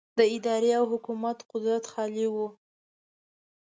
د ادارې او حکومت قدرت خالي و.